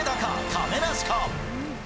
亀梨か？